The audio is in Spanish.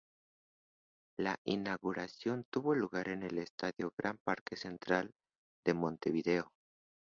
La inauguración tuvo lugar en el Estadio Gran Parque Central de Montevideo.